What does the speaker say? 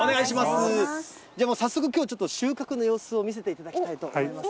早速、きょうちょっと、収穫の様子を見せていただきたいと思います。